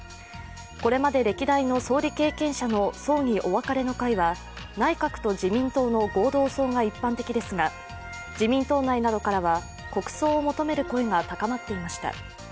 これまで歴代の総理経験者の葬儀・お別れの会は内閣と自民党の合同葬が一般的ですが自民党内などからは国葬を求める声が高まっていました。